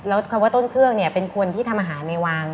แล้วคำว่าต้นเครื่องเนี่ยเป็นคนที่ทำอาหารในวาง